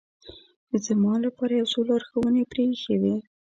زما لپاره یو څو لارښوونې پرې اېښې وې.